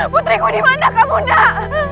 putriku di mana kamu nak